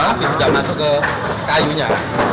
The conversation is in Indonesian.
api sudah masuk ke kayunya